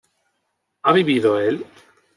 ¿ha vivido él?